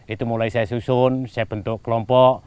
itu mulai saya susun saya bentuk kelompok